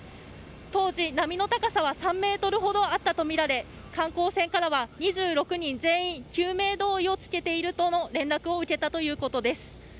当時、波の高さは３メートルほどあったとみられ観光船からは２６人全員救命胴衣をつけているとの連絡を受けたということです。